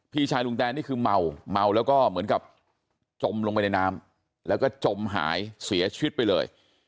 พี่ชายลุงแตนนี่คือเมาเมาแล้วก็เหมือนกับจมลงไปในน้ำแล้วก็จมหายเสียชีวิตไปเลย